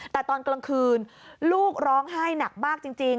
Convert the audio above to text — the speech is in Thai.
แต่ตอนกลางคืนลูกร้องไห้หนักมากจริง